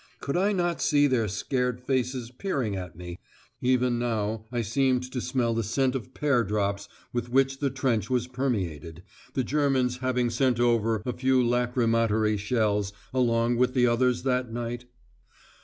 Could I not see their scared faces peering at me, even as now I seemed to smell the scent of pear drops with which the trench was permeated, the Germans having sent over a few lachrymatory shells along with the others that night?